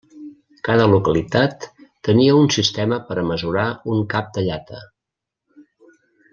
Cada localitat tenia un sistema per a mesurar un cap de llata.